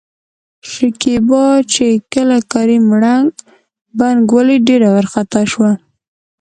شکيبا چې کله کريم ړنګ، بنګ ولېد ډېره ورخطا شوه.